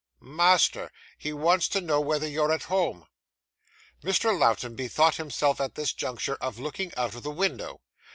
'Master. He wants to know whether you're at home.' Mr. Lowten bethought himself, at this juncture, of looking out of the window.